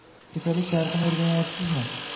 Kasallik tarixini o`rganayapsizmi